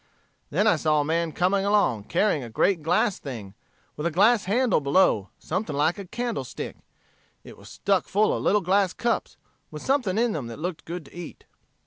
Then I saw a man coming along carrying a great glass thing, with a glass handle below, something like a candlestick. It was stuck full of little glass cups, with something in them that looked good to eat.